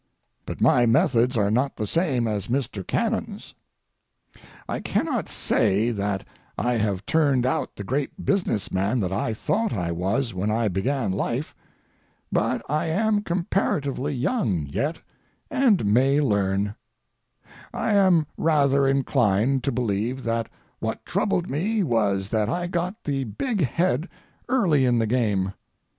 But my methods are not the same as Mr. Cannon's. I cannot say that I have turned out the great business man that I thought I was when I began life. But I am comparatively young yet, and may learn. I am rather inclined to believe that what troubled me was that I got the big head early in the game.